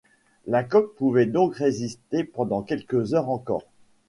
La coque pouvait donc résister pendant quelques heures encore.